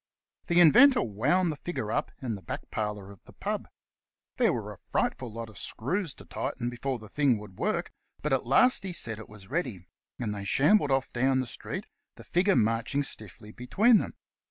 The Inventor wound the figure up in the back parlour of the pub. There were a frightful lot of screws to tighten before the thing would work, but at last he said it was ready, and they shambled off down the street, the figure marching stiffly between them.